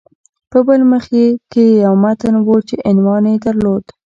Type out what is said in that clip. په بل مخ کې یو متن و چې عنوان یې درلود